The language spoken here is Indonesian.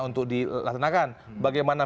untuk dilaksanakan bagaimana